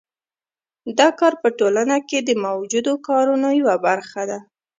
دا کار په ټولنه کې د موجودو کارونو یوه برخه ده